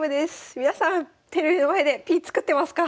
皆さんテレビの前でＰ作ってますか？